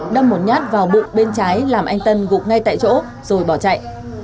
đâm một nhát vào bụng bên trái làm anh tân gục ngay tại chỗ rồi bỏ chạy